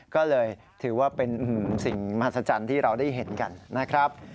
ก็เลยถือว่าเป็นสิ่งมหัศจรรย์ที่เราได้เห็นกันนะครับ